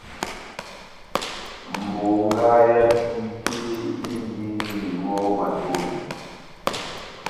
Bongá yá tike indini mɔ́ ó matohi.